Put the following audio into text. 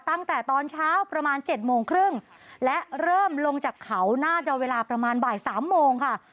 ตั้งแต่ตอนเช้าประมาณเจ็ดโมงครึ่งและเริ่มลงจากเขาน่าจะเวลาประมาณบ่ายสามโมงค่ะ